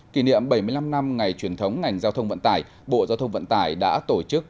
kỷ niệm bảy mươi năm năm ngày truyền thống ngành giao thông vận tải bộ giao thông vận tải đã tổ chức